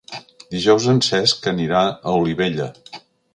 Dijous en Cesc anirà a Olivella.